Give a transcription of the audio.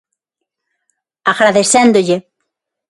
Agradecéndolle.